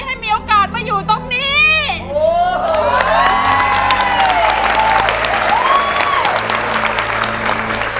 ให้มีโอกาสมาอยู่ตรงนี้